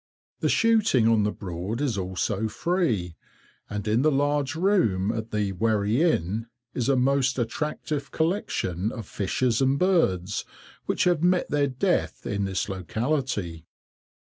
The shooting on the Broad is also free, and in the large room at the "Wherry Inn" is a most attractive collection of fishes and birds, which have met their death in this locality.